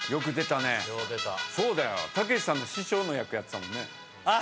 たけしさんの師匠の役やってたもんね。